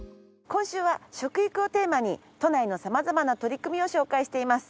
今週は食育をテーマに都内の様々な取り組みを紹介しています。